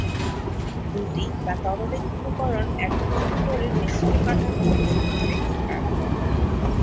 দুটি বা ততোধিক উপকরণ একত্রিত করে মিশ্রিত কাঠামো গঠিত হতে পারে।